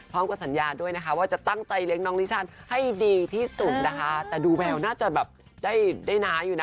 พร้อมกับสัญญาด้วยนะคะว่าจะตั้งใจเลี้ยงน้องลิชันให้ดีที่สุดนะคะแต่ดูแววน่าจะแบบได้ได้น้าอยู่นะ